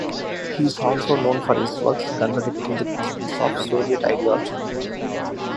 He is also known for his works contradicting the principles of Soviet ideology.